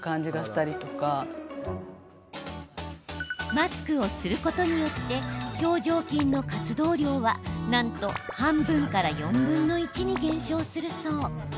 マスクをすることによって表情筋の活動量は、なんと半分から４分の１に減少するそう。